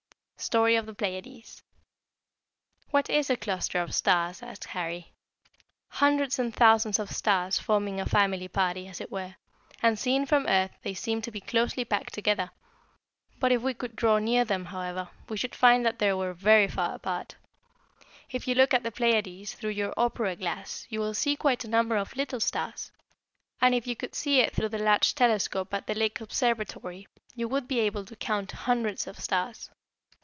STORY OF THE PLEIADES. "What is a cluster of stars?" asked Harry. [Illustration: A BALL OF SUNS.] "Hundreds and thousands of stars forming a family party, as it were; and seen from earth they seem to be closely packed together. But if we could draw near to them, however, we should find that they were very far apart. If you look at the Pleiades through your opera glass you will see quite a number of little stars, and if you could see it through the large telescope at the Lick Observatory you would be able to count hundreds of stars.